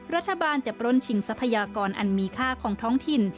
รัฐบาลจะปล้นชิงทรัพยากรอันมีค่าของท้องถิ่น